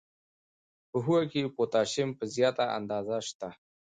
په هوږه کې پوتاشیم په زیاته اندازه شته.